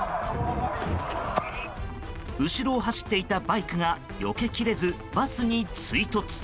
後ろを走っていたバイクがよけきれずバスに追突。